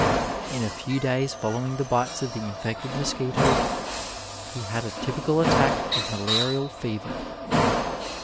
In a few days fcdlowing the bites of the infected mosquitoes he had a typical attack of malarial fever.